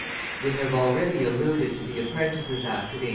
We have already alluded to the Apprentices' Act of 1802.